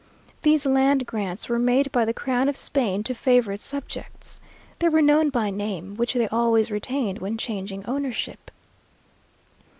These land grants were made by the crown of Spain to favorite subjects. They were known by name, which they always retained when changing ownership.